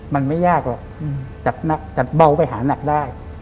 มันไม่ยากหรอกจัดเบาไปหานักได้